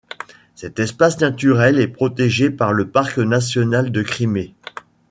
Cet espace naturel est protégé par le parc national de Crimée.